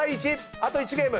あと１ゲーム。